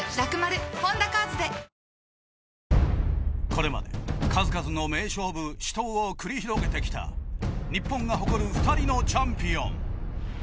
これまで、数々の名勝負死闘を繰り広げてきた日本が誇る２人のチャンピオン。